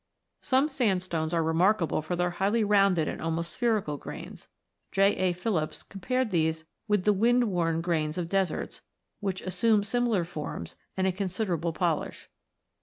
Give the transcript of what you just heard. Some sandstones are remarkable for their highly rounded and almost spherical grains. J. A. Phillips (as) compared these with the wind worn grains of deserts, which assume similar forms and a considerable polish.